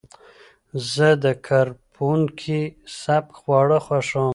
زه د کرپونکي سپک خواړه خوښوم.